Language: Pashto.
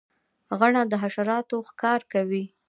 غڼه د حشراتو ښکار کوي